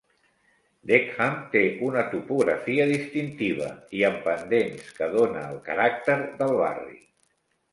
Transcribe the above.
Deckham té una topografia distintiva i amb pendents que "dóna el caràcter" del barri.